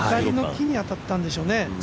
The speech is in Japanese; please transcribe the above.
木に当たったんでしょうね。